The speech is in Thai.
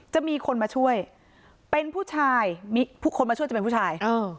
จะมีคนมาช่วยเป็นผู้ชายมีผู้คนมาช่วยจะเป็นผู้ชาย